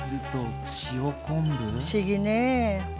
不思議ね。